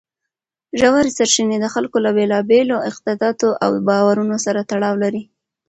ژورې سرچینې د خلکو له بېلابېلو اعتقاداتو او باورونو سره تړاو لري.